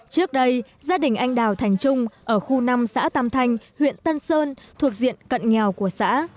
trước đây gia đình anh đào thành trung ở khu năm xã tam thanh huyện tân sơn thuộc diện cận nghèo của xã